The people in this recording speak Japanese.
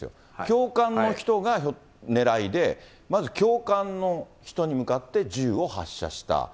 教官の人が狙いで、まず教官の人に向かって銃を発射した。